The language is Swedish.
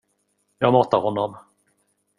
Jag matar honom.